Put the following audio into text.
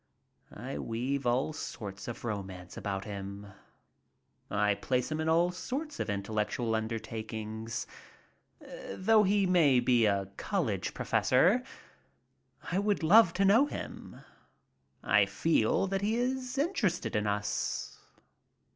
I weave all sorts of romance about him. I place him in all sorts of intellectual undertakings, though he may be a college pro fessor. I would love to know him. I feel that he is inter ested in us.